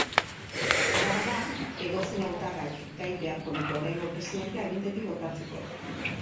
Hala bada, edozein hautagaik gai behar luke oraingo presidentea agintetik botatzeko.